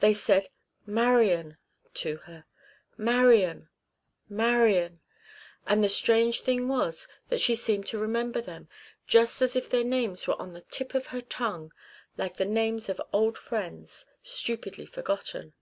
They said "Marian" to her, "Marian, Marian"; and the strange thing was that she seemed to remember them just as if their names were on the tip of her tongue, like the names of old friends, stupidly forgotten.